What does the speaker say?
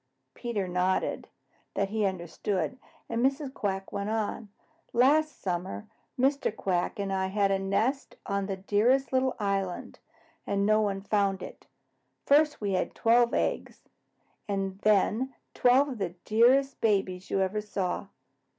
Peter nodded that he understood, and Mrs. Quack went on. "Last summer Mr. Quack and I had our nest on the dearest little island, and no one found it. First we had twelve eggs, and then twelve of the dearest babies you ever saw."